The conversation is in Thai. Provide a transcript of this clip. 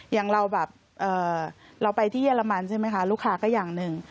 อย่างเราแบบเราไปที่เยอรมันใช่ไหมคะลูกค้าก็อย่างหนึ่ง